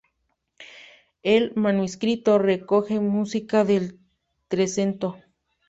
El manuscrito recoge música del Trecento.